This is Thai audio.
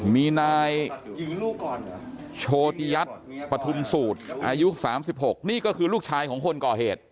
มีนายโชดยัดปฐุมสูตรอายุสามสิบหกนี่ก็คือลูกชายของคนก่อเหตุ